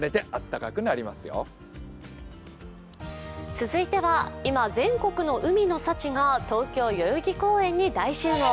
続いては今全国の海の幸が東京・代々木公園に大集合。